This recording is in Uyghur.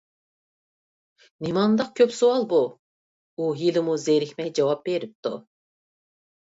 نېمانداق كۆپ سوئال بۇ؟ ! ئۇ ھېلىمۇ زېرىكمەي جاۋاب بېرىپتۇ.